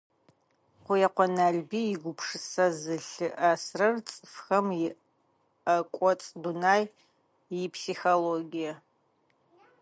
Къуекъо Налбый игупшысэ зылъыӏэсрэр цӏыфым иӏэкӏоцӏ дунай, ипсихологие.